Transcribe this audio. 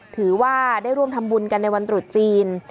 ถือว่าได้ร่วมทำบุญกันในวันตรุษจีน